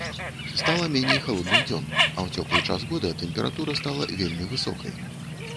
Стала меней халодных дзён, а ў цёплы час года тэмпература стала вельмі высокай.